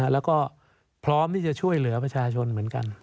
แล้วก็พร้อมที่จะช่วยเหลือประชาชนเหมือนกัน